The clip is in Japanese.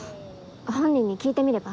本人に聞いてみれば？